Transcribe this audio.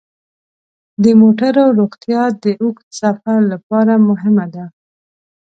د موټرو روغتیا د اوږد سفر لپاره مهمه ده.